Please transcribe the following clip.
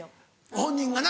本人がな。